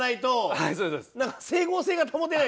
はい。